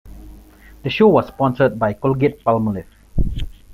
The show was sponsored by Colgate-Palmolive.